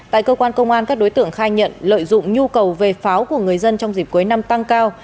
tại cơ quan công an các đối tượng khai nhận lợi dụng nhu cầu về pháo của người dân trong dịp cuối năm tăng cao